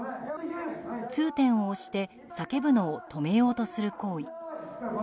痛点を押して叫ぶのを止めようとする行為。